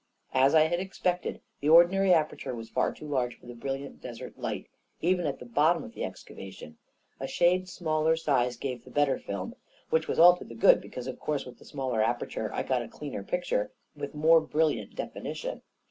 As I had expected, the ordinary aperture was far too large for the brilliant desert light; even at the bottom of the excavation, a shade smaller size gave the better film — which was all to the good, because, of course, with the smaller aperture I got a cleaner picture with more brilliant definition.